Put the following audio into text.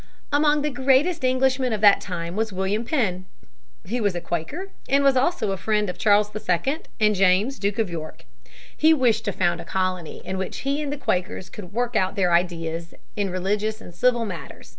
Among the greatest Englishmen of that time was William Penn. He was a Quaker and was also a friend of Charles II and James, Duke of York. He wished to found a colony in which he and the Quakers could work out their ideas in religious and civil matters.